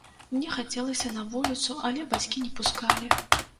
Мне хацелася на вуліцу, але бацькі не пускалі.